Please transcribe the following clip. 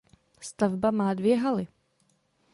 Stavba má dvě haly.